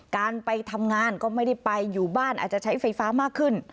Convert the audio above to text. การไปทำงานก็ไม่ได้ไปอยู่บ้านอาจจะใช้ไฟฟ้ามากขึ้น